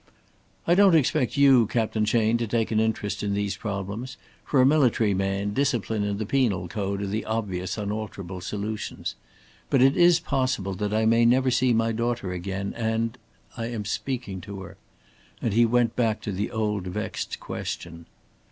"I don't expect you, Captain Chayne, to take an interest in these problems. For a military man, discipline and the penal code are the obvious unalterable solutions. But it is possible that I may never see my daughter again and I am speaking to her"; and he went back to the old vexed question.